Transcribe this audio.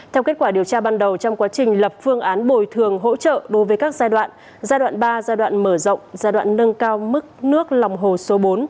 theo kết quả điều tra ban đầu trong quá trình lập phương án bồi thường hỗ trợ đối với các giai đoạn giai đoạn ba giai đoạn mở rộng giai đoạn nâng cao mức nước lòng hồ số bốn